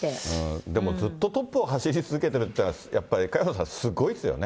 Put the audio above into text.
でも、ずっとトップを走り続けてるっていうのは、やっぱり萱野さん、すごいですよね。